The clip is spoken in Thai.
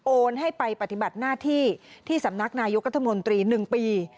ให้ไปปฏิบัติหน้าที่ที่สำนักนายกรัฐมนตรี๑ปี